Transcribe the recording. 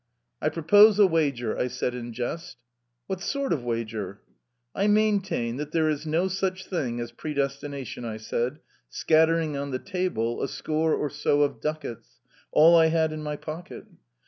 "I propose a wager," I said in jest. "What sort of wager?" "I maintain that there is no such thing as predestination," I said, scattering on the table a score or so of ducats all I had in my pocket.